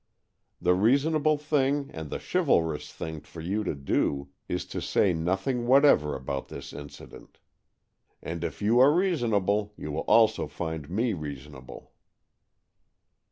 The reasonable thing and the chivalrous thing for you to do is to say nothing whatever about this incident. And AN EXCHANGE OF SOULS 119 if you are reasonable, you will also find me reasonable."